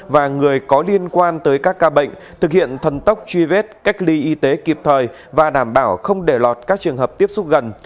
và người có liên quan tới các ca bệnh thực hiện thần tốc truy vết cách ly y tế kịp thời và đảm bảo không để lọt các trường hợp tiếp xúc gần